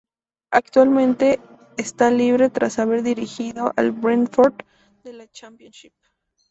Actualmente está libre tras haber dirigido al Brentford de la Championship.